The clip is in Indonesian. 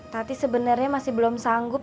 tati sebenernya masih belum sanggup